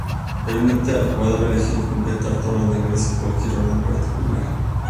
Permite al jugador elegir y completar todos los niveles en cualquier orden particular.